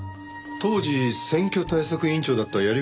当時選挙対策委員長だった鑓